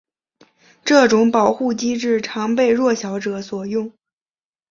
这种保护机制常被弱小者所用。